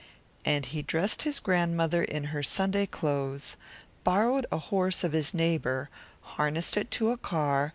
Then he dressed his old grandmother in her best clothes, borrowed a horse of his neighbor, and harnessed it to a cart.